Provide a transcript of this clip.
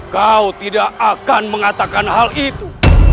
kau tidak akan mengatakan hal itu